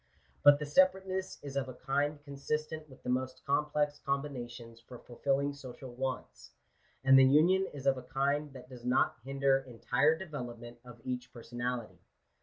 But the separateness is of a kind consistent with the most complex combinations for fulfilling* social wants ; and the union is of a kind that does not hinder] entire development of each personality.